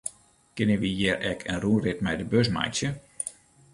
Kinne wy hjir ek in rûnrit mei de bus meitsje?